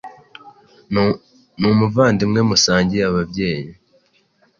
numuvandimwe musangiye ababyeyi.